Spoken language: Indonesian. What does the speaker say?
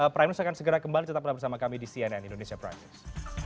prime news akan segera kembali tetap bersama kami di cnn indonesia prime news